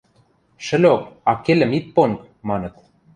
– Шӹлок, аккелӹм ит понг, – маныт.